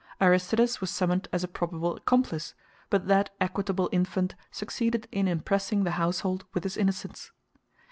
Aristides was summoned as a probable accomplice, but that equitable infant succeeded in impressing the household with his innocence.